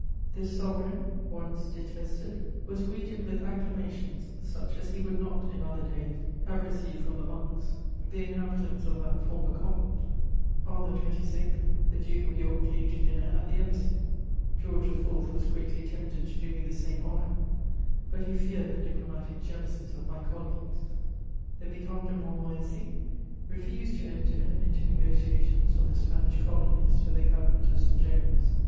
This sovereign, once detested, was greeted with acclamations such as he would not, in other days, have received from the monks, the inhabitants of that former convent. On the 26th, the Duke of York came to dinner at the Embassy: George IV. was greatly tempted to do me the same honour, but he feared the diplomatic jealousies of my colleagues. [Sidenote: Death of the Duc de Richelieu.] The Vicomte de Montmorency refused to enter into negociations on the Spanish Colonies with the Cabinet of St. James.